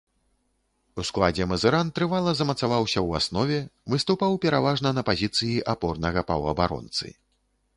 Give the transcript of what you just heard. У складзе мазыран трывала замацаваўся ў аснове, выступаў пераважна на пазіцыі апорнага паўабаронцы.